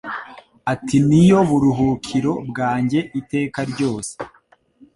ati Ni yo buruhukiro bwanjye iteka ryose